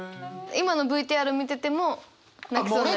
今のＶＴＲ見てても泣きそうになります。